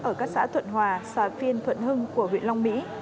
ở các xã thuận hòa xà phiên thuận hưng của huyện long mỹ